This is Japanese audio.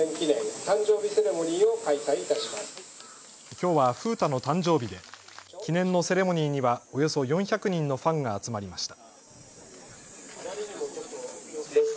きょうは風太の誕生日で記念のセレモニーにはおよそ４００人のファンが集まりました。